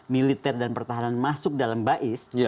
militer dan pertahanan masuk dalam bais